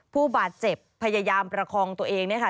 ผู้บาดเจ็บพยายามประคองตัวเองเนี่ยค่ะ